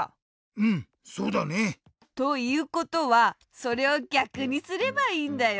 うんそうだね。ということはそれをぎゃくにすればいいんだよ。